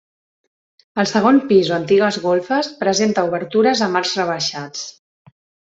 El segon pis o antigues golfes presenta obertures amb arcs rebaixats.